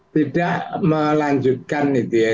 tidak melanjutkan gitu ya